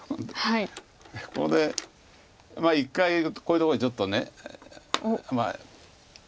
ここで１回こういうとこにちょっとまあ。